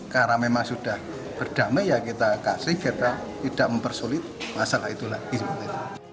karena memang sudah berdamai ya kita kasih kita tidak mempersulit masalah itu lagi